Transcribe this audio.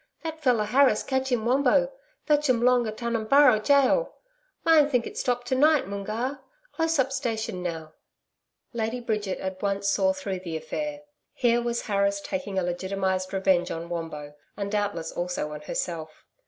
That feller Harris catch 'im Wombo fetch um long a Tunumburra gaol. Mine think it stop to night Moongarr. Close up station now.' Lady Bridget at once saw through the affair. Here was Harris taking a legitimized revenge on Wombo, and doubtless also on herself.